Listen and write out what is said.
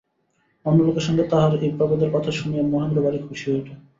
অন্য লোকের সঙ্গে তাহার এই প্রভেদের কথা শুনিয়া মহেন্দ্র ভারি খুশি হইল।